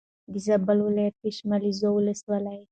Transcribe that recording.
د زابل ولایت د شملزو ولسوالي